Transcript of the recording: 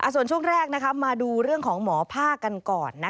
ส่วนช่วงแรกมาดูเรื่องของหมอภาคกันก่อน